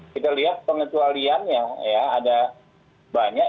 kita lihat pengecualiannya ya ada banyak